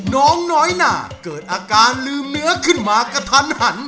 น้องน้อยหนาเกิดอาการลืมเนื้อขึ้นมากระทันหัน